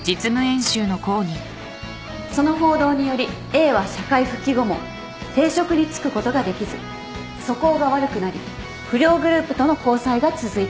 その報道によりＡは社会復帰後も定職に就くことができず素行が悪くなり不良グループとの交際が続いている。